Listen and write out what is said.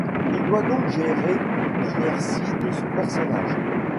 Il doit donc gérer l'inertie de son personnage.